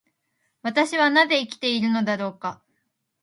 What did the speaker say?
私はなぜ生きているのだろうか。